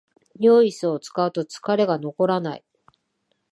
良いイスを使うと疲れが残らない